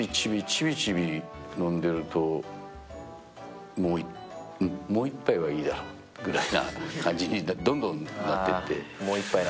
１人なのに、ちびちびちびちび飲んでると、もう一杯はいいだろうみたいな感じにどんどんなってって。